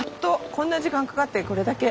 こんな時間かかってこれだけ。